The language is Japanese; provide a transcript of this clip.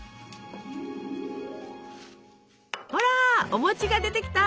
ほらお餅が出てきた！